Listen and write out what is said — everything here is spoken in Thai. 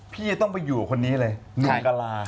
ผมต้องไปอยู่กับคนนี้เลย